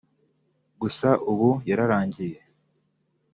gusa ubu yararangiye